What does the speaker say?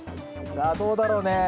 さあどうだろうね？